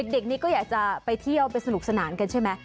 เด็กนี้ก็อยากจะไปเที่ยวไปสนุกสนานกันใช่ไหม